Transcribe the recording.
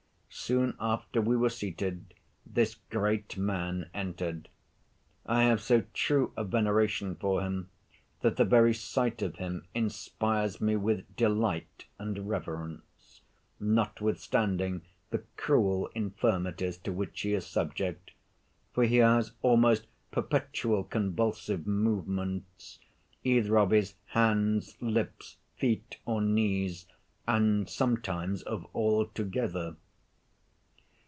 Soon after we were seated, this great man entered. I have so true a veneration for him, that the very sight of him inspires me with delight and reverence, notwithstanding the cruel infirmities to which he is subject; for he has almost perpetual convulsive movements, either of his hands, lips, feet, or knees, and sometimes of all together.